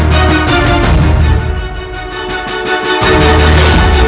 coba keluarkan sang depu